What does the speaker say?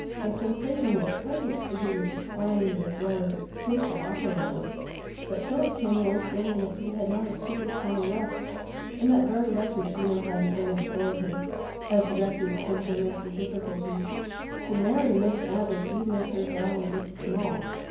The sensation was pleasant, for he was a kind as well as a skilful operator. But Philip came away feeling that he had not a secret corner left. In that very letter Gino had again implored him, as a refuge from domestic difficulties, "to marry Miss Abbott, even if her dowry is small."